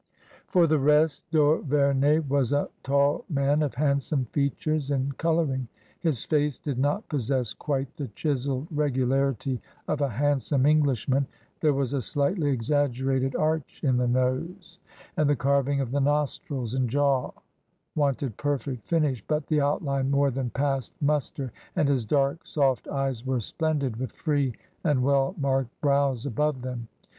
TRANSITION. 199 For the rest, d'Auverney was a tall man of handsome features and colouring. His face did not possess quite the chiselled regularity of a handsome Englishman : there was a slightly exaggerated arch in the nose and the carving of the nostrils and jaw wanted perfect finish, but the outline more than passed muster, and his dark, soft eyes were splendid, with free and well marked brows above them.